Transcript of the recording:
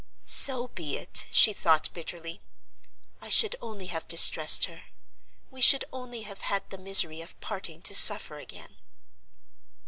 "So be it!" she thought, bitterly. "I should only have distressed her. We should only have had the misery of parting to suffer again."